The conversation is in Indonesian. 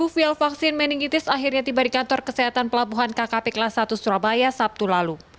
tujuh vial vaksin meningitis akhirnya tiba di kantor kesehatan pelabuhan kkp kelas satu surabaya sabtu lalu